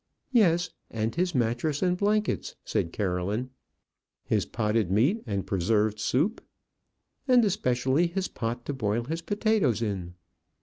"Yes; and his mattress and blankets," said Caroline. "His potted meat and preserved soup." "And especially his pot to boil his potatoes in."